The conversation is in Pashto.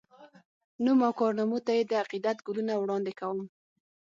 نوم او کارنامو ته یې د عقیدت ګلونه وړاندي کوم